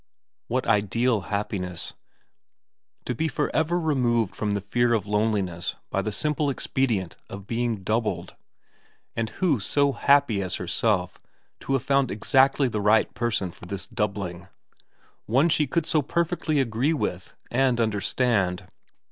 What ideal happiness, to be for ever 159 160 VERA xv removed from the fear of loneliness by the simple ex pedient of being doubled ; and who so happy as herself to have found the exactly right person for this doubling, one she could so perfectly agree with and understand